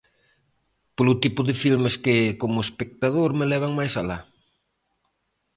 Polo tipo de filmes que, como espectador, me levan máis alá.